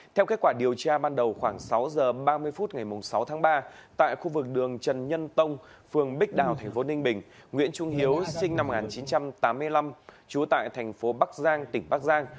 theo kết quả điều tra ban đầu khoảng sáu giờ ba mươi phút ngày sáu tháng ba tại khu vực đường trần nhân tông phường bích đào tp ninh bình nguyễn trung hiếu sinh năm một nghìn chín trăm tám mươi năm trú tại thành phố bắc giang tỉnh bắc giang